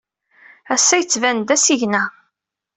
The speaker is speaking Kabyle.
Ass-a, yettban-d d asigna.